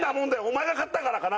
お前が買ったからかな？